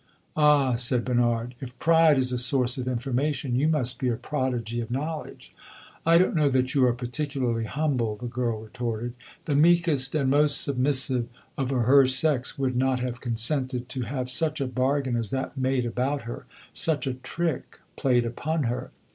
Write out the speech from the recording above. "Ah," said Bernard, "if pride is a source of information, you must be a prodigy of knowledge!" "I don't know that you are particularly humble!" the girl retorted. "The meekest and most submissive of her sex would not have consented to have such a bargain as that made about her such a trick played upon her!"